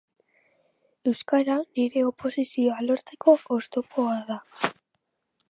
Euskara nire oposizioa lortzeko oztopoa da.